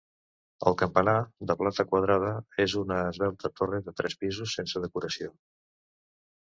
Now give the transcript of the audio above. El campanar, de planta quadrada, és una esvelta torre de tres pisos, sense decoració.